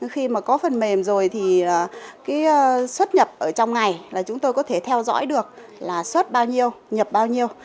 khi có phần mềm rồi thì xuất nhập trong ngày chúng tôi có thể theo dõi được xuất bao nhiêu nhập bao nhiêu